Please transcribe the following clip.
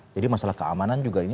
jadi masalah keamanan juga ini